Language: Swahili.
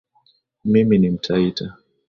Mimi ni mtaita